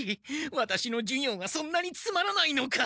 ワタシの授業がそんなにつまらないのか？